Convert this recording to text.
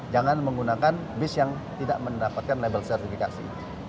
jangan menggunakan bis yang tidak mendapatkan label sertifikasi